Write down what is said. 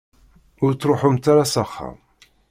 Ur ttruḥumt ara s axxam.